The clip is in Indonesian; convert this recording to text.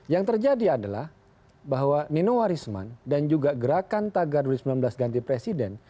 yang terjadi adalah bahwa nino warisman dan juga gerakan tagar dua ribu sembilan belas ganti presiden